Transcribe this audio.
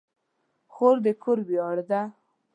خور د کور ویاړ ده.